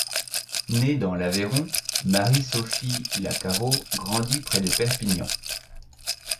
Née dans l'Aveyron, Marie-Sophie Lacarrau grandit près de Perpignan.